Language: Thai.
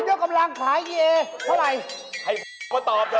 เดี๋ยวกำลังขายเกียร์เท่าไหร่ไอ้ก็ตอบเถอะ